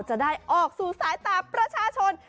จะได้ออกสู่สายตาประชาชน